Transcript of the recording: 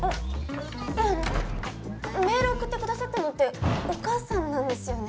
えっあのメール送ってくださったのってお母さんなんですよね？